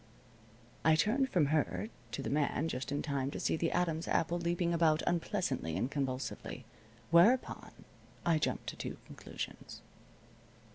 I turned from her to the man just in time to see the Adam's apple leaping about unpleasantly and convulsively. Whereupon I jumped to two conclusions.